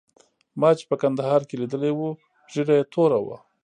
ما چې په کندهار کې لیدلی وو ږیره یې توره وه.